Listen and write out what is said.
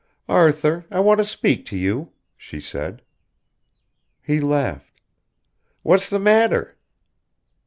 "Arthur, I want to speak to you," she said. He laughed. "What's the matter?"